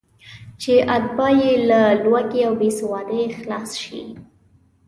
چې اتباع یې له لوږې او بېسوادۍ خلاص شي.